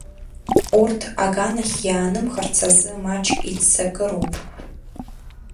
Урҭ аганахь иаанымхарц азы маҷк иццакыроуп.